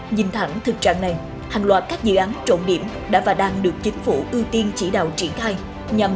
nhìn thẳng thực trạng này hàng loạt các dự án trọng điểm đã và đang được chính phủ ưu tiên chỉ đạo triển khai